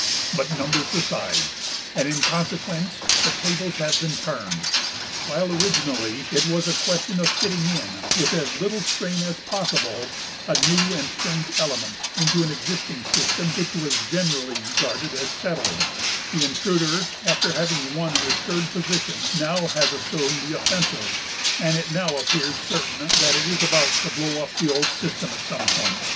But numbers decide, and in consequence the tables have been turned. While originally it was a question of fitting in with as little strain as possible a new and strange element into an existing system which was generally regarded as settled, the intruder, after having won an assured position, now has assumed the offensive; and it now appears certain that it is about to blow up the old system at some point.